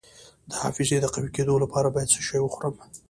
د حافظې د قوي کیدو لپاره باید څه شی وخورم؟